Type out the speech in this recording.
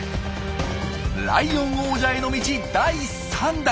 ライオン王者への道第３弾！